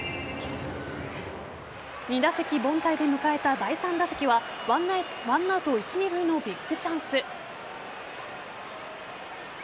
２打席凡退で迎えた第３打席は１アウト一・二塁のビッグチャンス。